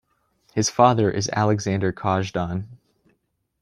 His father is Alexander Kazhdan.